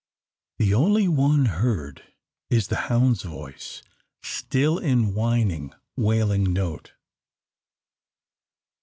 The only one heard is the hound's voice, still in whining, wailing note.